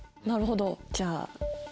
なるほどじゃあ。